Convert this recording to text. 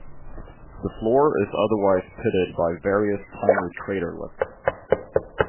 The floor is otherwise pitted by various tiny craterlets.